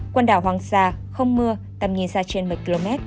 quần đảo hoàng sa không mưa tầm nhìn xa trên một mươi km